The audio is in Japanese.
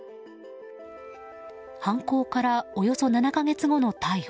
犯行からおよそ７か月後の逮捕。